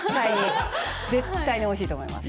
絶対においしいと思います。